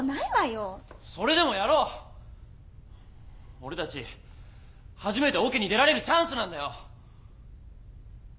俺たち初めてオケに出られるチャンスなんだよ？